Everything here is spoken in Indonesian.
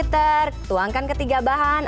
tuangkan ketiga bahan